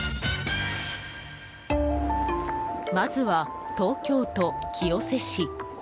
まずは、東京都清瀬市。